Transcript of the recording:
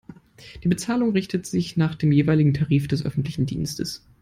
Die Bezahlung richtet sich nach dem jeweiligen Tarif des öffentlichen Dienstes.